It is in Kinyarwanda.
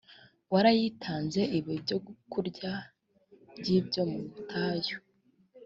warayitanze iba ibyokurya by ibyo mu butayu